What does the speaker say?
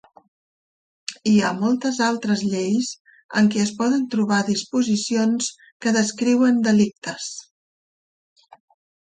Hi ha moltes altres lleis en què es poden trobar disposicions que descriuen delictes.